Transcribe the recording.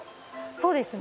そうですね。